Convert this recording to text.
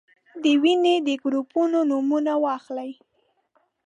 د وینې د ګروپونو نومونه واخلئ.